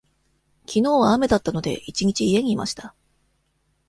きのうは雨だったので、一日家にいました。